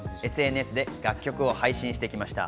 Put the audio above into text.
ＳＮＳで楽曲を配信してきました。